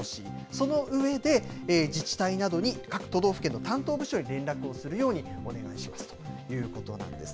その上で、自治体などに各都道府県の担当部署に連絡をするようにお願いしますということなんですね。